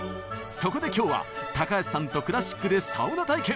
そこで今日は高橋さんとクラシックでサウナ体験！